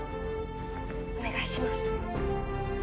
お願いします